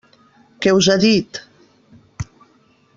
Què us ha dit?